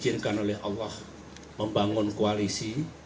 diizinkan oleh allah membangun koalisi